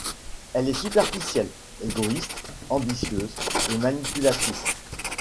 Elle est superficielle, égoïste, ambitieuse et manipulatrice.